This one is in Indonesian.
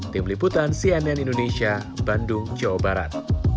tim liputan cnn indonesia bandung jawa barat